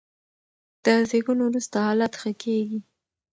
د زېږون وروسته حالت ښه کېږي.